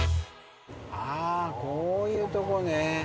こういうとこね。